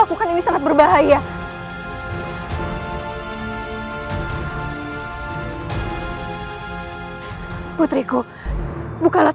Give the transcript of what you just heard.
aku harus mencari tempat yang lebih aman